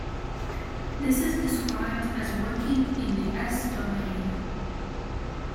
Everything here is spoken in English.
This is described as working in the s-domain.